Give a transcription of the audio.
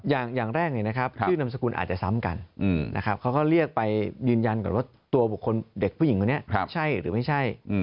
อย่างแรกชื่อนามสกุลอาจจะซ้ำกันนะครับเขาก็เรียกไปยืนยันก่อนว่าตัวบุคคลเด็กผู้หญิงคนนี้ใช่หรือไม่ใช่